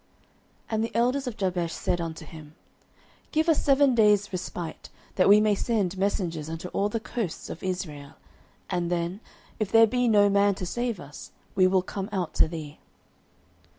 09:011:003 And the elders of Jabesh said unto him, Give us seven days' respite, that we may send messengers unto all the coasts of Israel: and then, if there be no man to save us, we will come out to thee.